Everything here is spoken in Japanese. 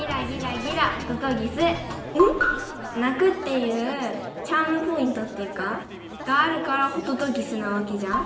鳴くっていうチャームポイントっていうかがあるからホトトギスなわけじゃん。